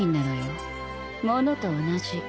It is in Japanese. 物と同じ。